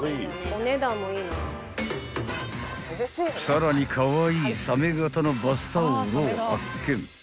［さらにカワイイサメ形のバスタオルを発見］